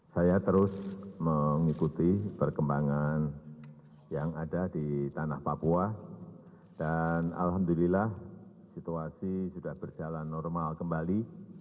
saya terus mengikuti perkembangan yang ada di tanah papua dan alhamdulillah situasi sudah berjalan normal kembali